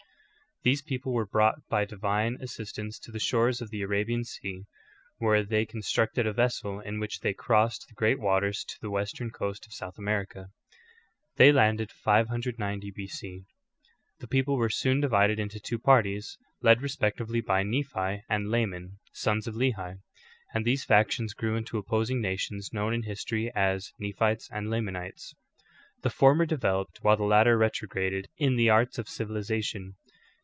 These people were brought by divine as sistance to the shores of the Arabian Sea, where they con structed a vessel in which they crossed the great waters to the western coast of South America. They landed 590 B. C. The people were soon divided into tw9 parties, led re spectively by Nephi and Laman, sons of Lehi; and these factions grew^ into the opposing nations known in history as Nephites and Lamanites. The former developed while the latter retrograded in the arts of civilization.